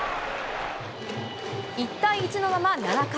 １対１のまま７回。